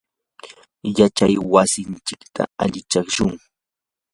yachay wasinchikta alichashun.